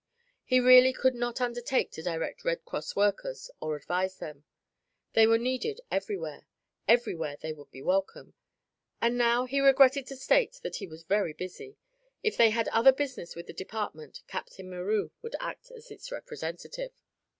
He really could not undertake to direct Red Cross workers or advise them. They were needed everywhere; everywhere they would be welcome. And now, he regretted to state that he was very busy; if they had other business with the department, Captain Meroux would act as its representative.